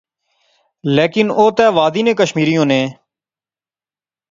لیکن او تہ وادی نے کشمیری ہونے